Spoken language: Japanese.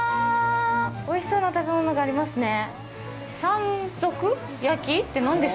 おいしそうな食べ物がありますね。